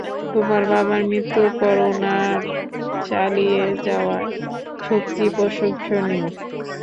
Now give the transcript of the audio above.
তোমার বাবার মৃত্যুর পর উনার চালিয়ে যাওয়ার শক্তি প্রশংসনীয়।